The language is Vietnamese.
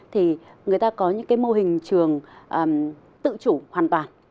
thì người ta có những cái mô hình trường tự chủ hoàn toàn